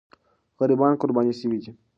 غریبان قرباني سوي دي.